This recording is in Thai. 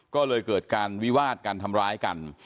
ก็เลยเกิดการวิวาดกันทำร้ายกัน